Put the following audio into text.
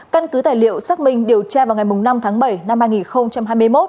căn cứ tài liệu xác minh điều tra vào ngày năm tháng bảy năm hai nghìn hai mươi một